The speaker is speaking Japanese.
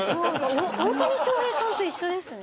大谷翔平さんと一緒ですね。